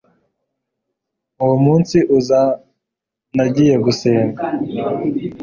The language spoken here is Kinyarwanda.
uwo munsi uza nagiye gusenga